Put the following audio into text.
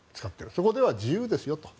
そこでは自由ですよと。